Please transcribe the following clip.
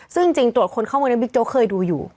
ซึ่งจริงตรวจคนเข้าเมืองนั้นบิ๊กโจ๊กเคยดูอยู่